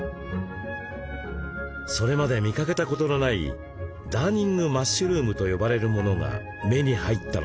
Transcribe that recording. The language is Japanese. それまで見かけたことのない「ダーニングマッシュルーム」と呼ばれるものが目に入ったのです。